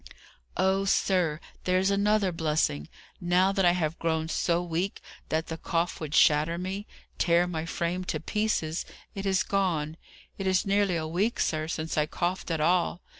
"Oh, sir, there's another blessing! Now that I have grown so weak that the cough would shatter me tear my frame to pieces it is gone! It is nearly a week, sir, since I coughed at all.